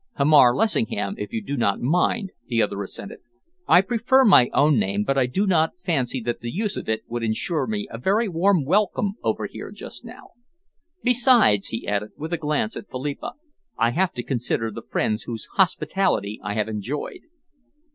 "Hamar Lessingham, if you do not mind," the other assented. "I prefer my own name, but I do not fancy that the use of it would ensure me a very warm welcome over here just now. Besides," he added, with a glance at Philippa, "I have to consider the friends whose hospitality I have enjoyed."